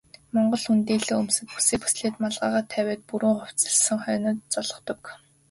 Монгол хүн дээлээ өмсөөд, бүсээ бүслээд малгайгаа тавиад бүрэн хувцасласан хойноо золгодог.